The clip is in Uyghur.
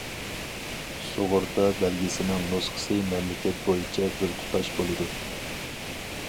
سۇغۇرتا بەلگىسىنىڭ نۇسخىسى مەملىكەت بويىچە بىر تۇتاش بولىدۇ.